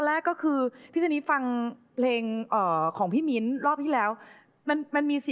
รักอยู่ใต้ตัวใจ